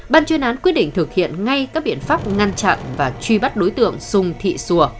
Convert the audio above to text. ban chuyên án quyết định thực hiện ngay các biện pháp ngăn chặn và truy bắt đối tượng sùng thị sùa